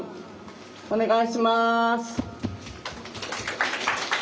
お願いします。